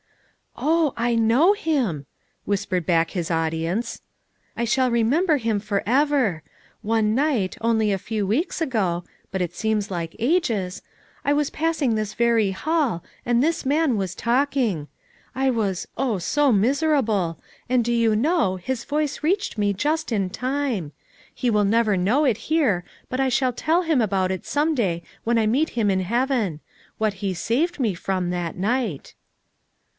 "Oh, I knoiv him," whispered back his au dience, "I shall remember him forever. One night, only a few weeks ago, — but it seems like ages, — I was passing this very hall, and this man was talking. I was— oh, so miserable! and do you know his voice reached me just in time! he will never know it here, but I shall tell him about it some day when I meet him in heaven — what he saved me from, that night."